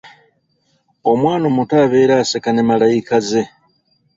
Omwana omuto abeera aseka ne malayika ze.